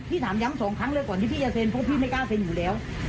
ถามย้ำสองครั้งเลยก่อนที่พี่จะเซ็นเพราะพี่ไม่กล้าเซ็นอยู่แล้ว